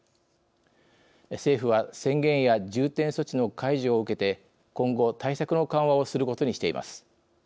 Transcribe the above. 政府は宣言や重点措置の解除を受けて今後、対策の緩和をすることにしています。